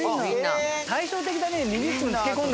対照的だね。